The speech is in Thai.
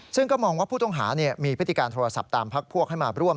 ซึ่งก็มองว่าผู้ต้องหามีพฤติการโทรศัพท์ตามพักพวกให้มาร่วม